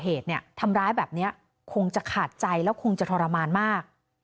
เหตุเนี่ยทำร้ายแบบนี้คงจะขาดใจแล้วคงจะทรมานมาก